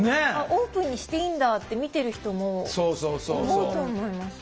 オープンにしていいんだって見てる人も思うと思います。